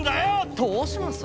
⁉どうします？